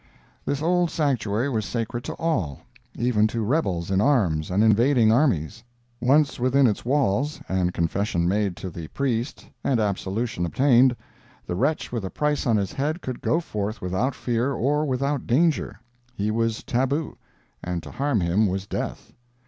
This old sanctuary was sacred to all—even to rebels in arms and invading armies. Once within its walls, and confession made to the priest and absolution obtained, the wretch with a price on his head could go forth without fear or without danger—he was tabu, and to harm him was death.